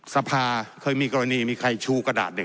สภาเคยมีกรณีมีใครชูกระดาษเด็ก